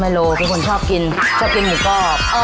โลเป็นคนชอบกินชอบกินหมูกรอบ